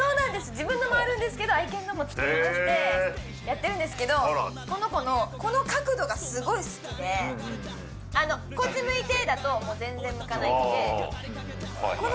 自分のもあるんですけど愛犬のも作りましてやってるんですけどこの子のこの角度がすごい好きで「こっち向いて」だと全然向かないのではいはい